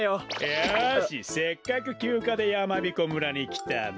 よしせっかくきゅうかでやまびこ村にきたんだ